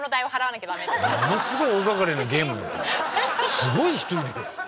すごい人いるよ。